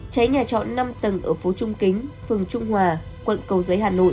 cháy nhà trọ năm tầng ở phố trung kính phường trung hòa quận cầu giấy hà nội